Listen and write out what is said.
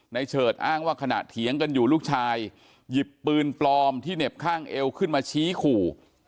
เฉิดอ้างว่าขณะเถียงกันอยู่ลูกชายหยิบปืนปลอมที่เหน็บข้างเอวขึ้นมาชี้ขู่